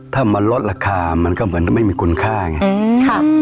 ถ้ามันลดราคามันก็เหมือนไม่มีคุณค่าไง